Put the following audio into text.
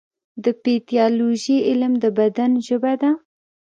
د پیتالوژي علم د بدن ژبه ده.